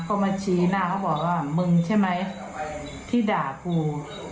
ก็มาชี้หน้าเขาบอกว่ามึงใช่ไหมที่ด่ากู